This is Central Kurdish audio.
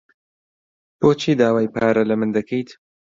بۆچی داوای پارە لە من دەکەیت؟